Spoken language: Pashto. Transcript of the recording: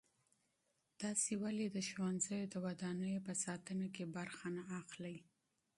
تاسې ولې د ښوونځیو د ودانیو په ساتنه کې برخه نه اخلئ؟